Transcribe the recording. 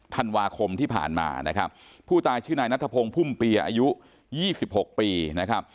ธันวาคมที่ผ่านมานะครับผู้ตายชื่อนายนัทพงศ์พุ่มเปียอายุ๒๖ปีนะครับ